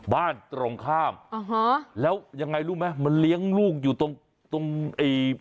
บ้านตรงข้ามอ๋อฮะแล้วยังไงรู้ไหมมันเลี้ยงลูกอยู่ตรงตรงไอ้